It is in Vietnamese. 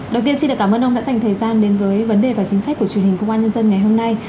đầu tiên xin cảm ơn ông đã dành thời gian đến với vấn đề và chính sách của truyền hình công an nhân dân ngày hôm nay